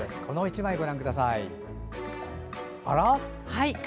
この１枚をご覧ください。